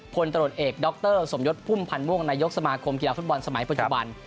พลตรวจเอกดรสมยศพุ่มพันธ์ม่วงนายกสมาคมกีฬาฟุตบอลสมัยปัจจุบัน